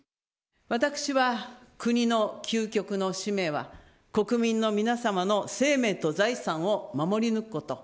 私は、国の究極の使命は、国民の皆様の生命と財産を守り抜くこと。